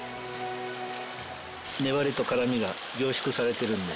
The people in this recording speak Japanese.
粘りと辛みが凝縮されてるんで。